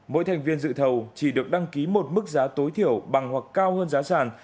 mỗi thành viên dự thầu chỉ được đăng ký một mức giá tối thiểu bằng hoặc cao hơn giá sản